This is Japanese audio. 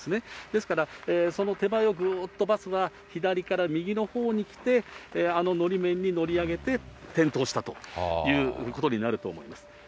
ですから、その手前をぐーっとバスは左から右のほうに来て、あののり面に乗り上げて、転倒したということになると思います。